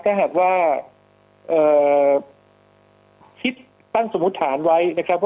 ถ้าหากว่าคิดตั้งสมมุติฐานไว้นะครับ